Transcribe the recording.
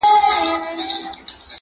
د بلبل په نوم هیچا نه وو بللی!